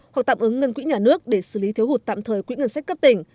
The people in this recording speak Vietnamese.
hoặc tạm ứng ngân quỹ nhà nước để xử lý thiếu hụt tạm thời quỹ ngân sách cấp tỉnh